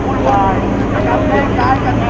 เป้็นว่าทำไมโซนมือดังนั้นกันจริง